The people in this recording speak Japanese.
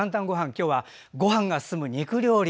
今日は、ごはんが進む肉料理。